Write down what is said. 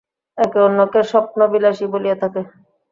একে অন্যকে স্বপ্নবিলাসী বলিয়া থাকে।